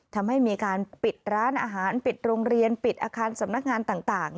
ทำให้มีการปิดร้านอาหารปิดโรงเรียนปิดอาคารสำนักงานต่าง